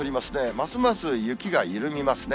ますます雪が緩みますね。